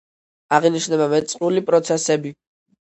აღინიშნება მეწყრული პროცესები.